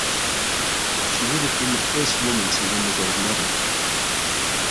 She would have been the first woman to win the gold medal.